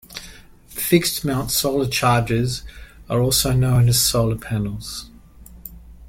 Fixed mount solar chargers are also known as solar panels.